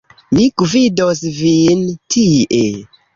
Mi gvidos vin tie.